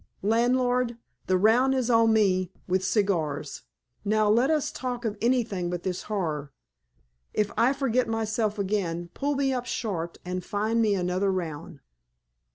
Landlord, the round is on me, with cigars. Now, let us talk of anything but this horror. If I forget myself again, pull me up short, and fine me another round."